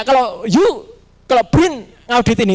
kalau brin ngeaudit ini